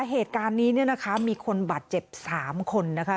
เหตุการณ์นี้เนี่ยนะคะมีคนบาดเจ็บ๓คนนะคะ